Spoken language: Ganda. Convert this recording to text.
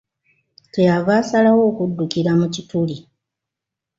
Kye yava asalawo okuddukira mu kituli.